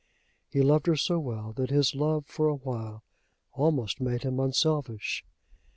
He loved her so well that his love for a while almost made him unselfish.